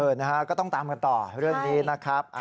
นะฮะก็ต้องตามกันต่อเรื่องนี้นะครับ